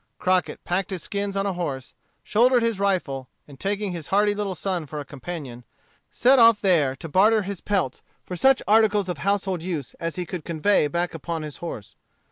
Crockett packed his skins on a horse, shouldered his rifle, and taking his hardy little son for a companion, set off there to barter his peltries for such articles of household use as he could convey back upon his horse.